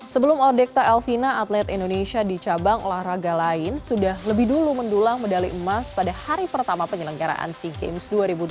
sebelum ordekta elvina atlet indonesia di cabang olahraga lain sudah lebih dulu mendulang medali emas pada hari pertama penyelenggaraan sea games dua ribu dua puluh